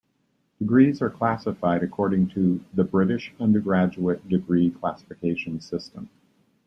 Degrees are classified according to the British undergraduate degree classification system.